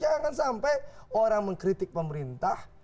jangan sampai orang mengkritik pemerintah